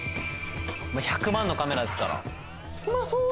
１００万のカメラですからうまそう！